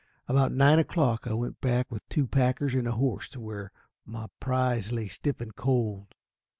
About nine o'clock I went back with two packers and a horse to where my prize lay stiff and cold.